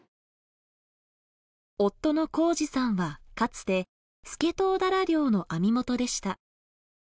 夫の宏次さんはかつてスケトウダラ漁の網元でした。